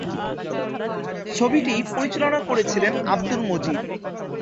ছবিটি পরিচালনা করেছিলেন আব্দুল মজিদ।